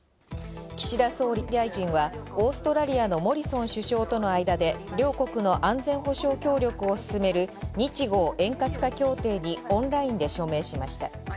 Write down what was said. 岸田総理大臣はオーストラリアのモリソン首相との間で両国の安全保障協力を進める「日豪円滑化協定」にオンラインで署名しました。